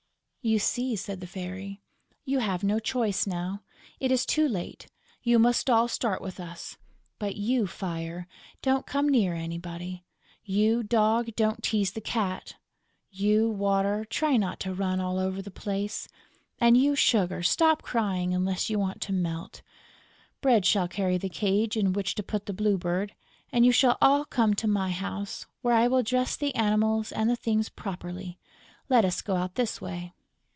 "You see," said the Fairy, "you have no choice now; it is too late; you must all start with us.... But you, Fire, don't come near anybody; you, Dog, don't tease the Cat; you, Water, try not to run all over the place; and you, Sugar, stop crying, unless you want to melt. Bread shall carry the cage in which to put the Blue Bird; and you shall all come to my house, where I will dress the Animals and the Things properly.... Let us go out this way!"